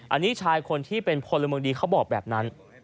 อันนี้ชายคนที่เป็นพลเมืองดีเขาบอกแบบนั้น